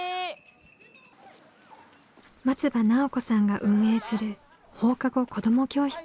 松場奈緒子さんが運営する放課後子ども教室。